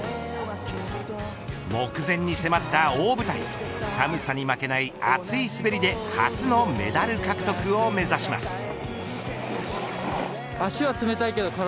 目前に迫った大舞台寒さに負けない熱い滑りで初のメダル獲得を目指します。